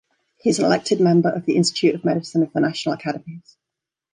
He is an elected member of the Institute of Medicine of the National Academies.